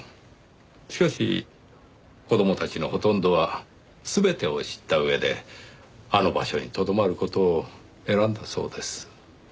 しかし子供たちのほとんどは全てを知った上であの場所にとどまる事を選んだそうです。